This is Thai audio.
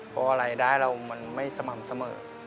เพราะรายได้เรามันไม่สม่ำเสมอ